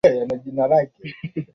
Karim Benzema akiwa na Real Madrid